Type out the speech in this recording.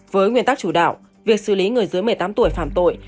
với nguyên tắc chủ đạo việc xử lý người dưới một mươi tám tuổi phạm tội